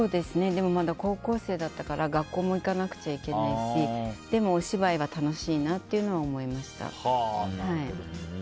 でもまだ高校生だったから学校も行かなくちゃいけないしでも、お芝居は楽しいなと思いました。